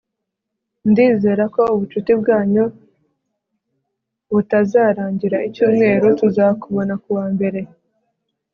ndizera ko ubucuti bwacu butazarangira icyumweru tuzakubona ku wa mbere